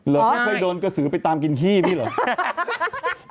ไม่เคยโดนกระสือไปตามกินขี้นี่เหรอ